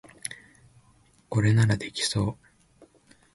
これならできそう